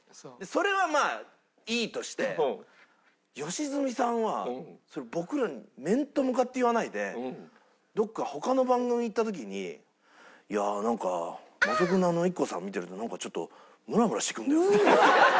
それはまあいいとして良純さんは僕らに面と向かって言わないでどこか他の番組に行った時に「いやあなんか松尾君のあのＩＫＫＯさん見てるとなんかちょっとムラムラしてくるんだよ」。